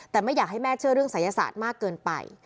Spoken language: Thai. แก้เชื่อเรื่องศัยศาสตร์มากเกินไป